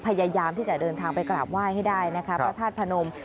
พยายามที่จะเดินทางไปกราบไหว้ให้ได้นะคะพระธาตุพนม